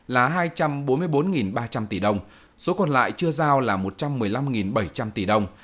là hai trăm bốn mươi bốn ba trăm linh tỷ đồng số còn lại chưa giao là một trăm một mươi năm bảy trăm linh tỷ đồng